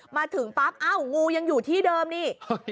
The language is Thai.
มาถึงปั๊บเอ้างูยังอยู่ที่เดิมนี่